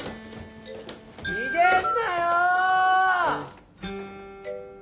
・逃げんなよ！